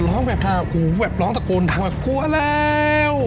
ร้องแบบทางแบบร้องตะโกนทางแบบกลัวแล้ว